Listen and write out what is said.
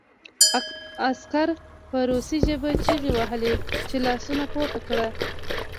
عسکر په روسي ژبه چیغې وهلې چې لاسونه پورته کړه